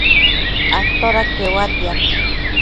atoda queuatiad?